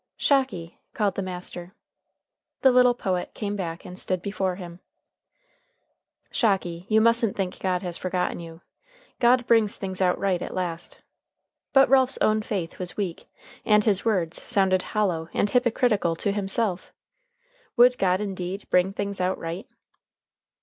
"Shocky!" called the master. The little poet came back and stood before him. "Shocky, you mustn't think God has forgotten you. God brings things out right at last." But Ralph's own faith was weak, and his words sounded hollow and hypocritical to himself. Would God indeed bring things out right?